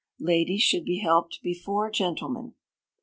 Ladies should be helped before gentlemen.